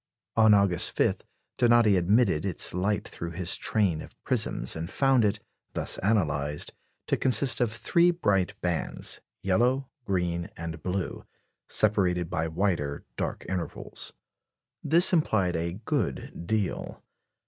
On August 5 Donati admitted its light through his train of prisms, and found it, thus analysed, to consist of three bright bands yellow, green, and blue separated by wider dark intervals. This implied a good deal.